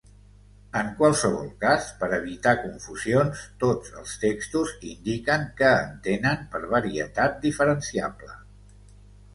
En qualsevol cas, per evitar confusions, tots els textos indiquen què entenen per varietat diferenciable.